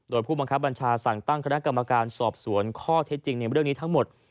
โดยผู้บังคับบัญชาสั่งตั้งคณะกรรมการสอบสวนข้อเท็จจริงในเรื่องนี้ทั้งหมด